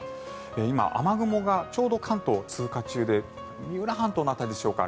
今、雨雲がちょうど関東を通過中で三浦半島の辺りでしょうか